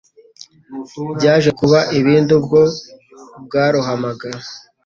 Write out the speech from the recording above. byaje kuba ibindi ubwo bwarohamaga